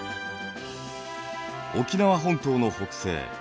沖縄本島の北西